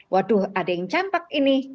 waduh ada yang campak ini